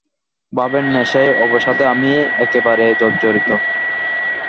ভাবের নেশার অবসাদে আমি একেবারে জর্জরিত।